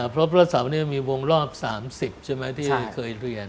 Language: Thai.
เพราะพระเสามีวงรอบ๓๐ที่เคยเรียน